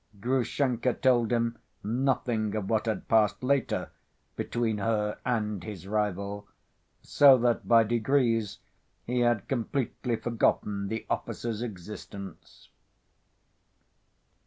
Grushenka told him nothing of what had passed later between her and this rival; so that by degrees he had completely forgotten the officer's existence.